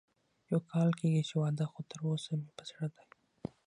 يو کال کېږي چې واده خو تر اوسه مې په زړه ده